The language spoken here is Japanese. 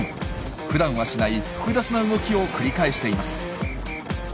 ふだんはしない複雑な動きを繰り返しています。